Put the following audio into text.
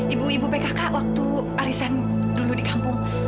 ibu ibu pkk waktu arisan duduk di kampung